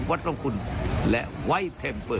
วัดลงคุณและไวท์เทมเปอร์